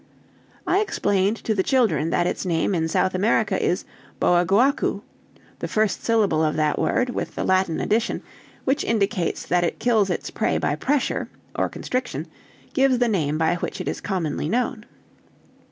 I explained to the children that its name in South America is Boaguacu; the first syllable of that word, with the Latin addition, which indicates that it kills its prey by pressure, or "constriction," gives the name by which it is commonly known.